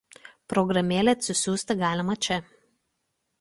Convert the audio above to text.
Programėlę atsisiųsti galima čia.